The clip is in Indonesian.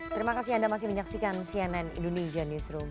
terima kasih anda masih menyaksikan cnn indonesia newsroom